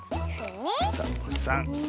サボさん。